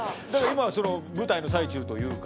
今舞台の最中というか。